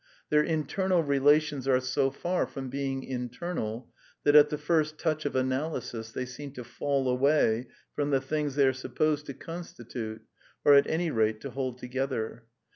Their internal relations '* are so far from being internal that at the first touch of analysis they seem to fall away from the " things " they are supposed to consti tute, or at any rate to hold together.